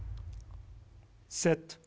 セット！